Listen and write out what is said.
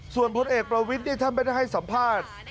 ส่วนพลเอกประวิทธิ์นี่ท่านมันให้สัมภาษณ์